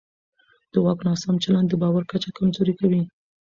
د واک ناسم چلند د باور کچه کمزوری کوي